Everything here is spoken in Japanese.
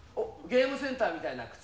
「ゲームセンターみたいな靴屋」。